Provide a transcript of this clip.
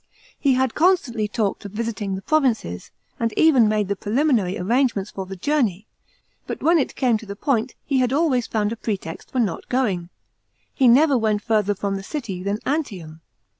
He had con stantly talked of visiting the provinces, and even made the preliminary arrangements for the journey, but when it came to the point, he had always found a pretext for not going. He never went further from the city than Antium.